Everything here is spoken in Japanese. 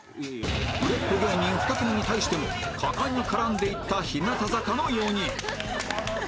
売れっ子芸人２組に対しても果敢に絡んでいった日向坂の４人